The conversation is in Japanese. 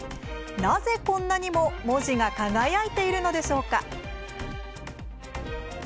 なぜこんなにも文字が輝いているのでしょうか？